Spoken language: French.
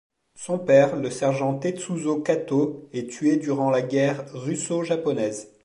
Son père, le sergent Tetsuzo Katō, est tué durant la guerre russo-japonaise.